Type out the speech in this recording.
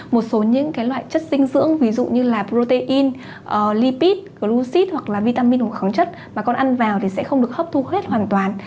một số những loại chất dinh dưỡng ví dụ như là protein lipid glucid hoặc là vitamin hoặc kháng chất mà con ăn vào thì sẽ không được hấp thu hết hoàn toàn